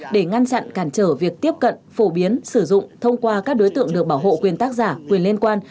để ngăn chặn cản trở việc tiếp cận phổ biến sử dụng thông qua các đối tượng được bảo hộ quyền tác giả quyền liên quan